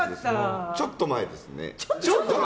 ちょっと前ですね。